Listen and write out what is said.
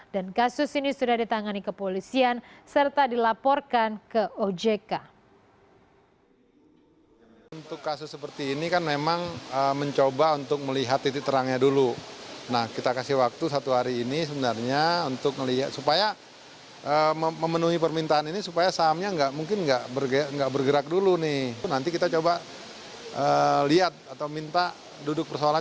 dan kasus ini sudah ditangani ke polisian serta dilaporkan ke ojk